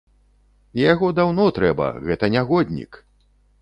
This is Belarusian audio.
Яго даўно трэба, гэта нягоднік!